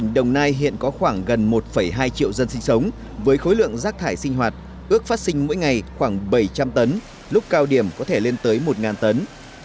đồng nai hiện có khoảng gần một hai triệu dân sinh sống với khối lượng rác thải sinh hoạt ước phát sinh mỗi ngày khoảng bảy trăm linh tấn lúc cao điểm có thể lên tới một tấn